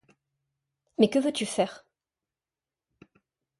Mais que veux-tu faire ?